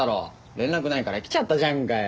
連絡ないから来ちゃったじゃんかよ。